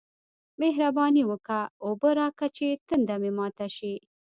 مهرباني وکه! اوبه راکه چې تنده مې ماته شي